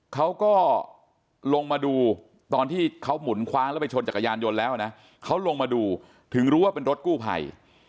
เขาก็ลงมาดูตอนที่เขาหมุนคว้างแล้วไปชนจักรยานยนต์แล้วนะเขาลงมาดูถึงรู้ว่าเป็นรถกู้ภัย